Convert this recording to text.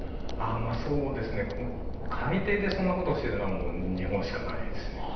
そうですね、海底でそんなことをしてるのは、もう日本しかないですね。